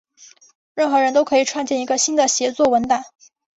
任何人都可以创建一个新的协作文档。